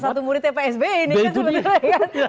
satu muridnya pak sby ini kan sebenarnya